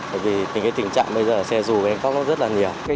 bởi vì những tình trạng bây giờ xe rù bên khắp rất là nhiều